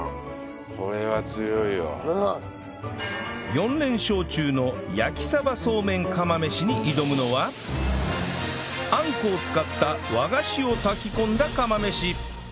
４連勝中の焼鯖そうめん釜飯に挑むのはあんこを使った和菓子を炊き込んだ釜飯